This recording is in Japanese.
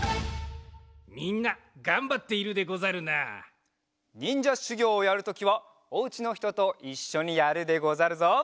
みんながんばっているでござるな。にんじゃしゅぎょうをやるときはおうちのひとといっしょにやるでござるぞ。